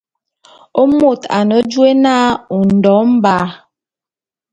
Mot ane jôé na Ondo Mba.